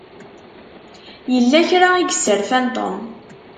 Yella kra i yesserfan Tom.